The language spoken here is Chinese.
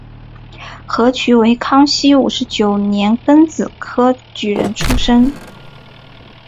何衢为康熙五十九年庚子科举人出身。